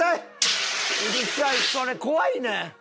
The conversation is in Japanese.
うるさいそれ怖いねん！